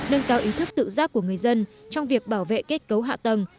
nâng cao ý thức tự giác của người dân trong việc bảo vệ kết cấu hạ tầng